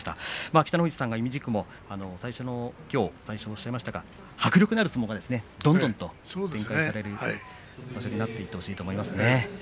北の富士さんがいみじくもきょう最初に申し上げましたが迫力のある相撲がどんどん展開されるようになってほしいと思います。